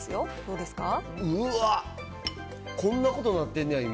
うわっ、こんなことなってんねや、今。